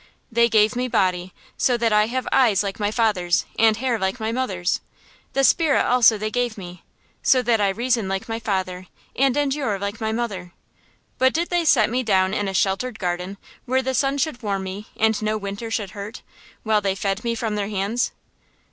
They gave me body, so that I have eyes like my father's and hair like my mother's. The spirit also they gave me, so that I reason like my father and endure like my mother. But did they set me down in a sheltered garden, where the sun should warm me, and no winter should hurt, while they fed me from their hands?